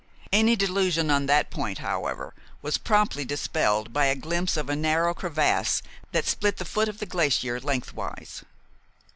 Any delusion on that point, however, was promptly dispelled by a glimpse of a narrow crevasse that split the foot of the glacier lengthwise.